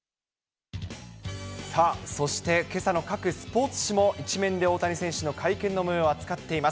さあ、そしてけさの各スポーツ紙も１面で大谷選手の会見のもようを扱っています。